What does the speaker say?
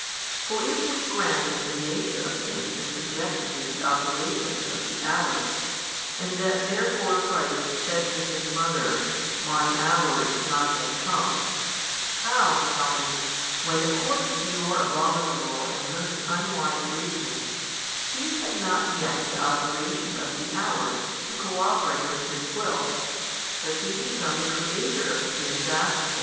For if we grant that the nature of things is subjected to the operations of the hours, and that therefore Christ said to His Mother, Mine hour is not yet come, how (tell me) when according to your abominable and most unwise reasoning He had not yet the operation of the hour to cooperate with His Will, does He become the Creator of the things asked for?